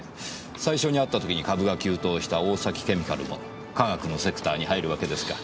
最初に会った時に株が急騰した大崎ケミカルも化学のセクターに入るわけですか。